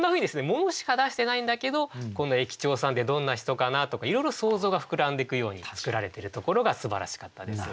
物しか出してないんだけどこの駅長さんってどんな人かなとかいろいろ想像が膨らんでくように作られてるところがすばらしかったです。